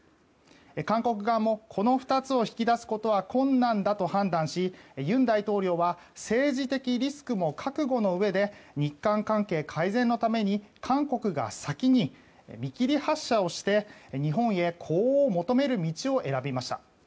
韓国側も、この２つを引き出すことは困難だと判断し尹大統領は政治的リスクも覚悟のうえで日韓関係改善のために韓国が先に見切り発車をして日本へ呼応を求める道を選びました。